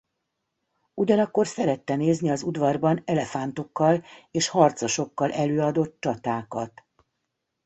Ugyanakkor szerette nézni az udvarban elefántokkal és harcosokkal előadott csatákat.